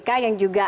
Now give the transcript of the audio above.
kalau kita lihat